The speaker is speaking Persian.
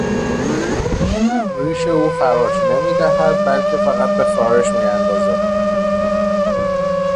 ریش او خراش نمیدهد بلکه فقط به خارش میاندازد.